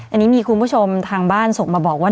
อันนี้มีคุณผู้ชมทางบ้านส่งมาบอกว่า